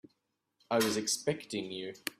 I was expecting you.